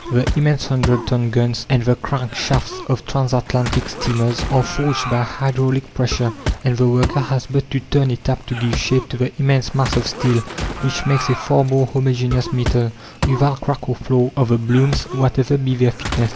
The immense hundred ton guns and the crank shafts of transatlantic steamers are forged by hydraulic pressure, and the worker has but to turn a tap to give shape to the immense mass of steel, which makes a far more homogeneous metal, without crack or flaw, of the blooms, whatever be their thickness.